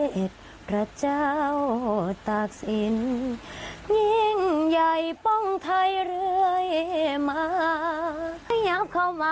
เบิร์ดแก่วเบิร์ดแก่วเบิร์ดแก่วเบิร์ดแก่ว